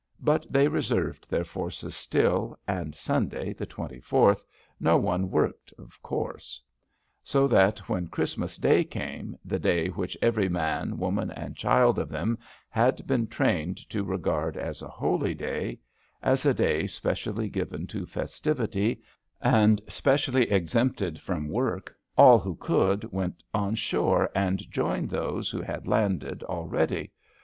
But they reserved their forces still, and Sunday, the twenty fourth, no one worked of course. So that when Christmas day came, the day which every man, woman and child of them had been trained to regard as a holy day as a day specially given to festivity and specially exempted from work, all who could went on shore and joined those who had landed already.